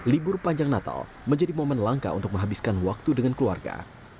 libur panjang natal menjadi momen langka untuk menghabiskan waktu dengan keluarga